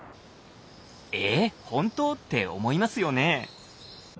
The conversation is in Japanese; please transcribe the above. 「えほんと？」って思いますよね？